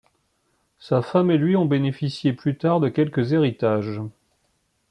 Sa femme et lui ont bénéficié plus tard de quelques héritages.